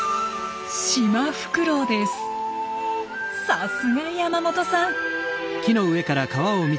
さすが山本さん！